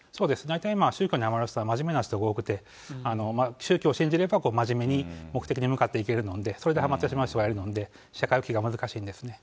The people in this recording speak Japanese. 大体、宗教にはまる人は真面目な人が多くて、宗教を信じれば、真面目に目的に向かっていけるので、それではまってしまう人がいるので、社会復帰が難しいんですね。